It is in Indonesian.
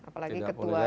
tidak boleh lengah